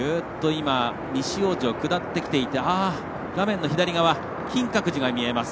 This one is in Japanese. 今、西大路を下ってきていて画面の左側、金閣寺が見えます。